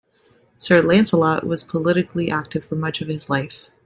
Sir Lancelot was politically active for much of his life.